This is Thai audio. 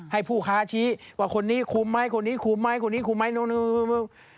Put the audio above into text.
ให้ผู้ค้าชี้ว่าคนนี้คุมไหมคนนี้คุมไหมคนนี้คุมไหมนู่น